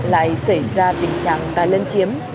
lại xảy ra tình trạng đa lân chiếm